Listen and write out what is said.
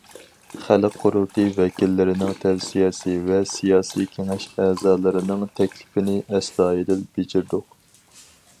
خەلق قۇرۇلتىيى ۋەكىللىرىنىڭ تەۋسىيەسى ۋە سىياسىي كېڭەش ئەزالىرىنىڭ تەكلىپىنى ئەستايىدىل بېجىردۇق.